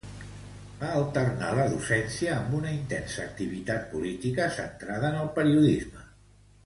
Va alternar la docència amb una intensa activitat política centrada en el periodisme.